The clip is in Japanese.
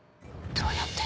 どうやって？